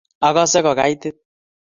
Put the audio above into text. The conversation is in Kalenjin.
akose ko kaitit